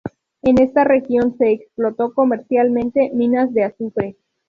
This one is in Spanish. En esta región se explotó comercialmente minas de azufre.